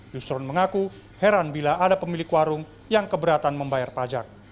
yusron mengaku heran bila ada pemilik warung yang keberatan membayar pajak